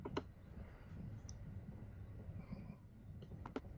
Y se estableció en Normandia para vivir.